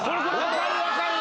分かる分かる。